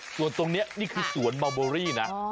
ส่วนตรงนี้นี่คือสวนมัลเบอร์รี่ลุงจักร